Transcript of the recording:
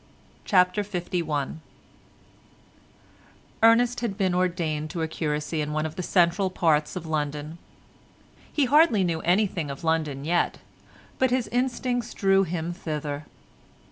CHAPTER LI Ernest had been ordained to a curacy in one of the central parts of London. He hardly knew anything of London yet, but his instincts drew him thither.